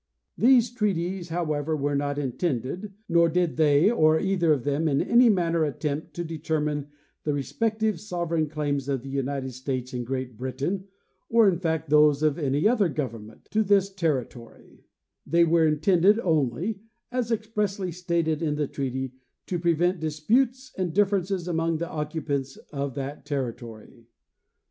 These treaties, however, were not intended, nor did they or either of them in any manner attempt, to determine the respect ive sovereign claims of the United States and Great Britain, or in fact those of any other government, to this territory; they were intended only, as expressly stated in the treaty, "to pre vent disputes and differences among the occupants of that terri tory."